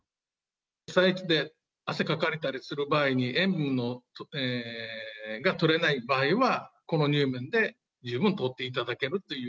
被災地で汗かかれたりする場合に、塩分がとれない場合は、このにゅうめんで十分とっていただけるという。